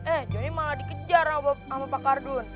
eh jonny malah dikejar sama pak ardun